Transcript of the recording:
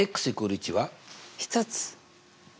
１つ。